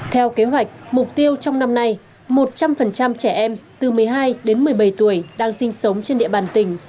theo kế hoạch mục tiêu trong năm nay một trăm linh trẻ em từ một mươi hai đến một mươi bảy tuổi đang sinh sống trên địa bàn tỉnh